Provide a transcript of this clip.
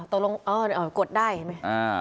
ต้องลงอ๋อต้องกดได้เห็นไหม